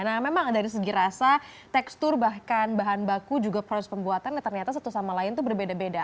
nah memang dari segi rasa tekstur bahkan bahan baku juga proses pembuatannya ternyata satu sama lain itu berbeda beda